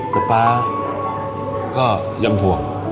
แต่ป๊าก็ย้ำพวก